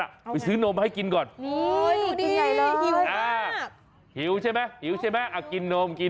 รับแมวตัวนี้ไปเลี้ยงเลย